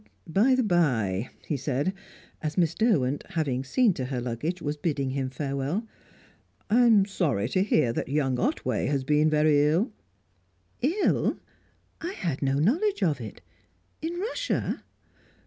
"By the bye," he said, as Miss Derwent, having seen to her luggage, was bidding him farewell, "I'm sorry to hear that young Otway has been very ill." "Ill? I had no knowledge of it. In Russia?"